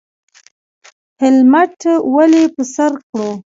هیلمټ ولې په سر کړو؟